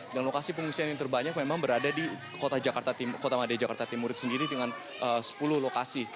dan lokasi pengungsian yang terbanyak memang berada di kota madaya jakarta timur sendiri dengan sepuluh lokasi